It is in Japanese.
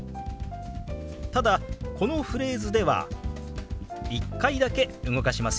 ただこのフレーズでは１回だけ動かしますよ。